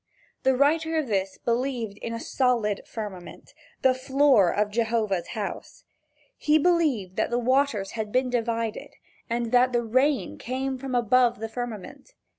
The writer of this believed in a solid firmament the floor of Jehovah's house. He believed that the waters had been divided, and that the rain came from above the firmament.